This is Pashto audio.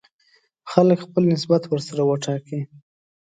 خلک خپل نسبت ورسره وټاکي.